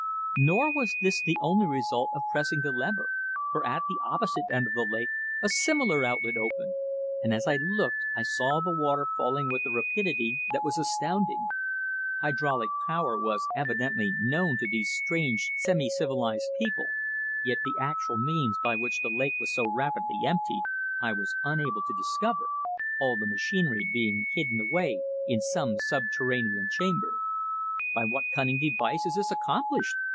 Nor was this the only result of pressing the lever, for at the opposite end of the lake a similar outlet opened, and as I looked I saw the water falling with a rapidity that was astounding. Hydraulic power was evidently known to these strange semi civilized people, yet the actual means by which the lake was so rapidly emptied I was unable to discover, all the machinery being hidden away in some subterranean chamber. "By what cunning device is this accomplished?"